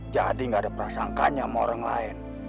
jadi nggak ada perasangkanya sama orang lain